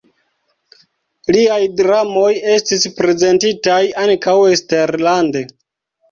Liaj dramoj estis prezentitaj ankaŭ eksterlande.